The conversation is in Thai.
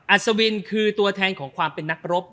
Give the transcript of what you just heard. อัศวินคือตัวแทนของความเป็นนักรบ